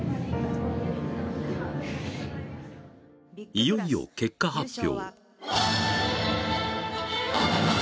いよいよ結果発表。